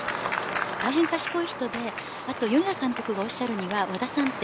大変、賢い人で米田監督がおっしるには和田さんは